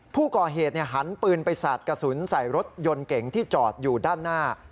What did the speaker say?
ผู้ก่อเหตุหันปืนไปสาดกระสุนใส่รถยนต์เก่งที่จอดอยู่ด้านหน้า